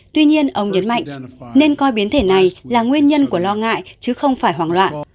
tuy nhiên ông nhấn mạnh nên coi biến thể này là nguyên nhân của lo ngại chứ không phải hoảng loạn